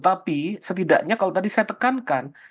tapi setidaknya kalau tadi saya tekankan